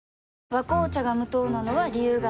「和紅茶」が無糖なのは、理由があるんよ。